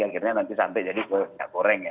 akhirnya nanti santai jadi minyak goreng ya